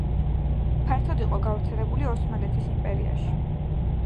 ფართოდ იყო გავრცელებული ოსმალეთის იმპერიაში.